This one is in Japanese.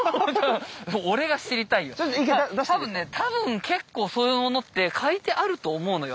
多分ね多分結構そういうものって書いてあると思うのよ